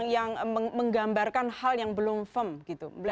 yang menggambarkan hal yang belum firm gitu